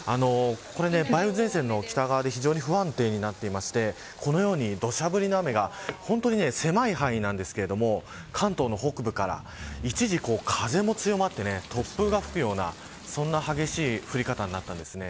梅雨前線の北側で非常に不安定になっていましてこのように、土砂降りの雨が本当に狭い範囲なんですけど関東の北部から一時、風も強まって突風も吹くようなそんな激しい降り方になったんです。